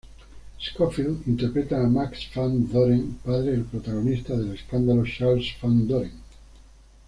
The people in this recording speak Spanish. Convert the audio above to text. Scofield interpreta a Mark Van Doren, padre del protagonista del escándalo Charles Van Doren.